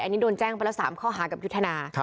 อันนี้โดนแจ้งไปแล้ว๓ข้อหากับยุทธนา